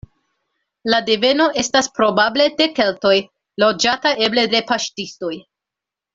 La deveno estas probable de keltoj, loĝata eble de paŝtistoj.